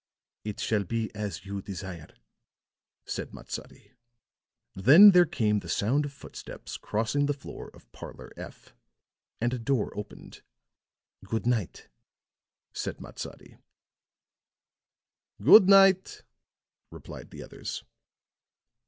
"It shall be as you desire," said Matsadi. Then there came the sound of footsteps crossing the floor of Parlor F, and a door opened. "Good night," said Matsadi. "Good night," replied the others.